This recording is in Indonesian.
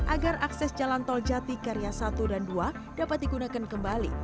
agar akses jalan tol jati karya satu dan dua dapat digunakan kembali